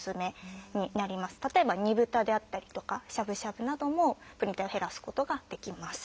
例えば煮豚であったりとかしゃぶしゃぶなどもプリン体を減らすことができます。